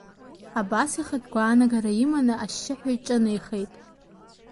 Абас ихатә гәаанагара иманы ашьшьыҳәа иҿынеихеит.